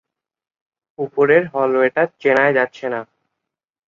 উপরের হলওয়েটা চেনাই যাচ্ছে না।